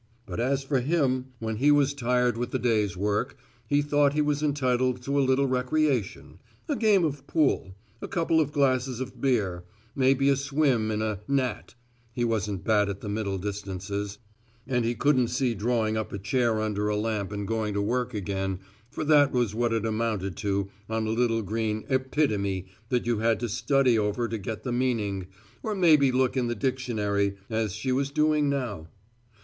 But as for him, when he was tired with the day's work, he thought he was entitled to a little recreation a game of pool, a couple of glasses of beer, maybe a swim in a "nat" he wasn't bad at the middle distances and he couldn't see drawing up a chair under a lamp and going to work again, for that was what it amounted to, on a little green Epitome that you had to study over to get the meaning, or maybe look in the dictionary, as she was doing now.